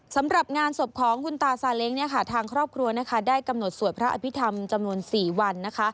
สำหรับงานศพของคุณตาสาเล็งทางครอบครัวได้กำหนดสวยพระอภิษฐรรมจำนวน๔วัน